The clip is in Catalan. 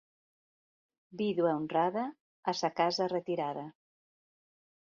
Vídua honrada, a sa casa retirada.